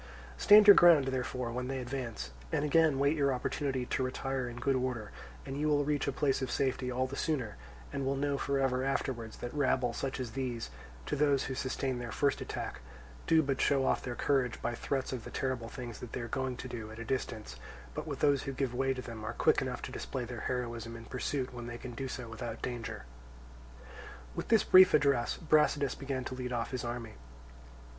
Stand your ground therefore when they advance, and again wait your opportunity to retire in good order, and you will reach a place of safety all the sooner, and will know for ever afterwards that rabble such as these, to those who sustain their first attack, do but show off their courage by threats of the terrible things that they are going to do, at a distance, but with those who give way to them are quick enough to display their heroism in pursuit when they can do so without danger." With this brief address Brasidas began to lead off his army.